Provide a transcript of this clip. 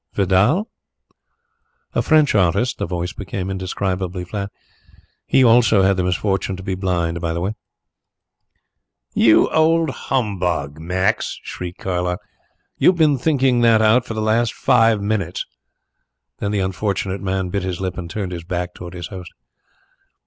'" "Vidal?" "A French artist." The voice became indescribably flat. "He, also, had the misfortune to be blind, by the way." "You old humbug, Max!" shrieked Carlyle, "you've been thinking that out for the last five minutes." Then the unfortunate man bit his lip and turned his back towards his host.